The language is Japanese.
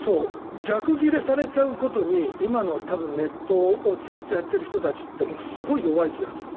逆ギレされちゃうことに今のネットをずっとをやっている人たちってすごい弱い気がする。